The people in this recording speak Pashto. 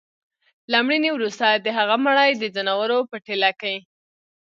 له مړيني وروسته د هغه مړى د ځناورو په ټېله کي